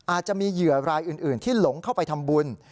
อาจจะมีเหยื่อรายอื่นที่หลงเข้าไปทำบุญ